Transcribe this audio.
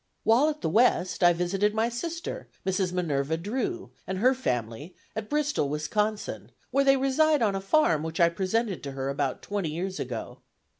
While at the West, I visited my sister, Mrs. Minerva Drew, and her family, at Bristol, Wisconsin, where they reside on a farm which I presented to her about twenty years ago.